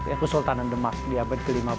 yaitu sultanan demak di abad ke lima belas